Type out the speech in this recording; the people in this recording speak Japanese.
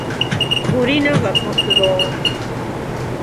森永卓郎